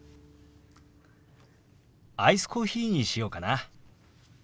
アイスコーヒーにしようかな。